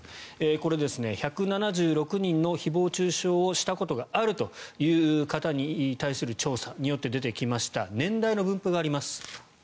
これ、１７６人の誹謗・中傷がしたことがあるという人に対する調査で出てきました年代の分布があります。